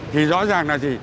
thì rõ ràng là gì